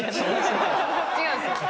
違うんですよ。